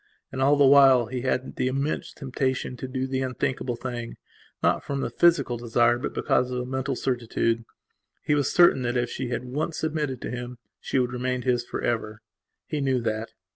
And all the while he had the immense temptation to do the unthinkable thing, not from the physical desire but because of a mental certitude. He was certain that if she had once submitted to him she would remain his for ever. He knew that.